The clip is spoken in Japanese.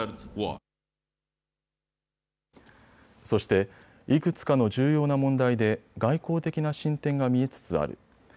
そしていくつかの重要な問題で外交的な進展が見えつつある。